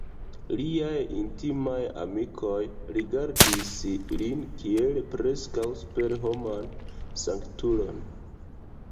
Liaj intimaj amikoj rigardis lin kiel preskaŭ superhoman sanktulon.